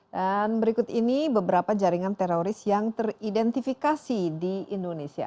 dan berikut ini beberapa jaringan teroris yang teridentifikasi di indonesia